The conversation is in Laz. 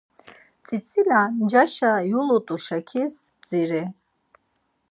Tzitzila ncaşa yulut̆u-şakis bdziri.